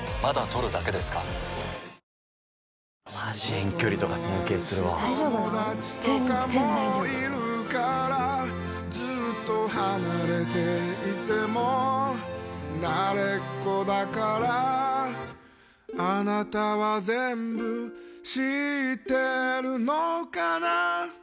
友達とかもいるからずっと離れていても慣れっこだからあなたは全部知ってるのかな